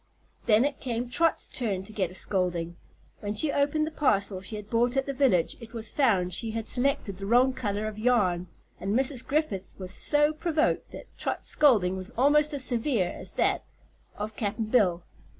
Then it came Trot's turn to get a scolding. When she opened the parcel she had bought at the village it was found she had selected the wrong color of yarn, and Mrs. Griffith was so provoked that Trot's scolding was almost as severe as that of Cap'n Bill.